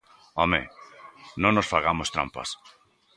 ¡Home!, non nos fagamos trampas.